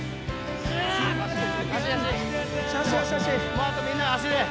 もうあとみんな足で。